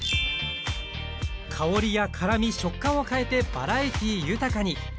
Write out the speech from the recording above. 香りや辛み食感を変えてバラエティー豊かに。